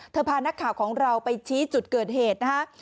พานักข่าวของเราไปชี้จุดเกิดเหตุนะฮะ